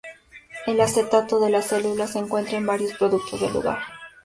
El acetato de celulosa se encuentra en varios productos del hogar.